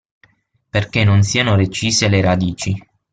Perché non siano recise le radici.